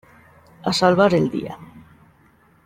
A salvar el día .